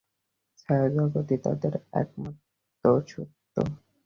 ছায়াজগৎই তাদের কাছে একমাত্র সত্য।